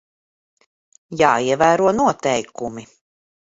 Jāievēro noteikumi.